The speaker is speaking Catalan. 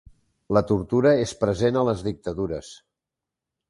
La tortura és present a les dictadures.